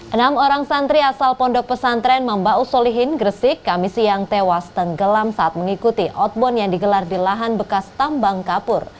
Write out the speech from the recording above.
enam orang santri asal pondok pesantren mambaus solihin gresik kami siang tewas tenggelam saat mengikuti outbound yang digelar di lahan bekas tambang kapur